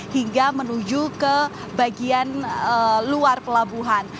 hingga menuju ke bagian luar pelabuhan